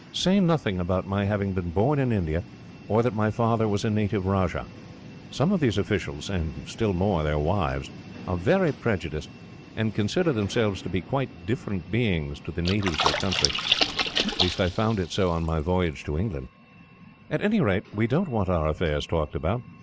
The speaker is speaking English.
Say nothing about my having been born in India, or that my father was a native rajah. Some of these officials and still more, their wives are very prejudiced, and consider themselves to be quite different beings to the natives of the country. I found it so on my voyage to England. "At any rate, we don't want our affairs talked about.